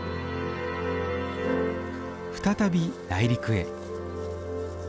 再び内陸へ。